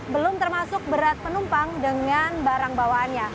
belum termasuk berat penumpang dengan barang bawaannya